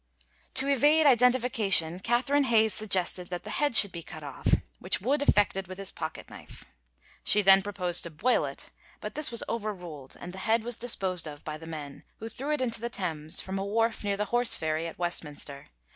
To evade identification Catherine Hayes suggested that the head should be cut off, which Wood effected with his pocket knife. She then proposed to boil it, but this was overruled, and the head was disposed of by the men, who threw it into the Thames from a wharf near the Horseferry at Westminster.